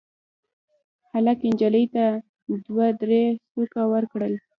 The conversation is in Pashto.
هلک نجلۍ ته دوه درې سوکه ورکړل.